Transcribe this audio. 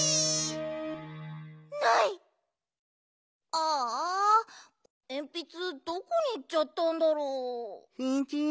ああえんぴつどこにいっちゃったんだろう？